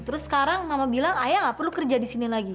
terus sekarang mama bilang ayah gak perlu kerja di sini lagi